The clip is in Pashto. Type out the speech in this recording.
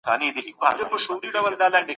په سرمایه دارۍ کي افراط سته.